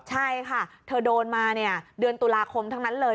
ใช่ค่ะเธอโดนมาเดือนตุลาคมทั้งนั้นเลย